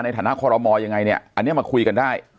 ในฐานะคอรมอลยังไงเนี่ยอันนี้มาคุยกันได้